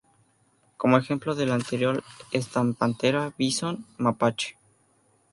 Como ejemplo de lo anterior están 豹, ‘pantera’; 貂, ‘visón’; 貍, ‘mapache’.